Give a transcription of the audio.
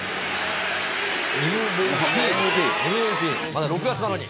ＭＶＰ、まだ６月なのに。